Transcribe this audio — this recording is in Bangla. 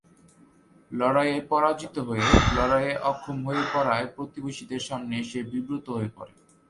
লড়াইয়ে পরাজিত হয়ে লড়াইয়ে অক্ষম হয়ে পড়ায় প্রতিবেশীদের সামনে সে বিব্রত হয়ে পড়ে।